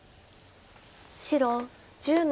白１０の三。